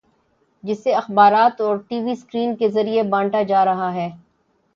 جسے اخبارات اور ٹی وی سکرین کے ذریعے بانٹا جا رہا ہے۔